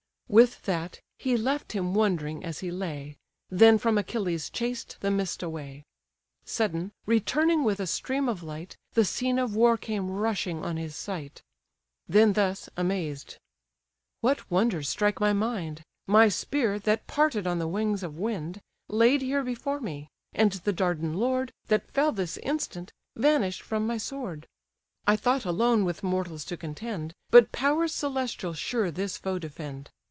With that, he left him wondering as he lay, Then from Achilles chased the mist away: Sudden, returning with a stream of light, The scene of war came rushing on his sight. Then thus, amazed; "What wonders strike my mind! My spear, that parted on the wings of wind, Laid here before me! and the Dardan lord, That fell this instant, vanish'd from my sword! I thought alone with mortals to contend, But powers celestial sure this foe defend.